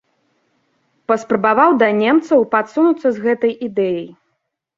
Паспрабаваў да немцаў падсунуцца з гэтай ідэяй.